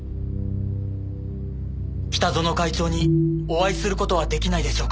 北薗会長にお会いする事は出来ないでしょうか？